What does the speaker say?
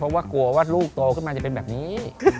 เพราะว่ากลัวว่าลูกโตขึ้นมาจะเป็นแบบนี้